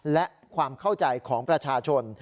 และความเข้าใจของประชาชน